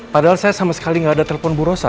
padahal saya sama sekali nggak ada telepon bu rosa